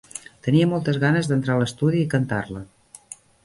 Tenia moltes ganes d'entrar a l'estudi i cantar-la.